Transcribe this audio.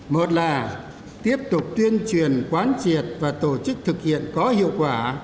một là tiếp tục tuyên truyền quán triệt và tổ chức thực hiện có hiệu quả